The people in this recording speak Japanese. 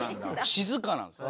静かなんですよ。